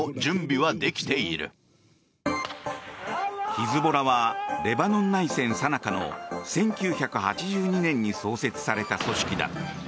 ヒズボラはレバノン内戦さなかの１９８２年に創設された組織だ。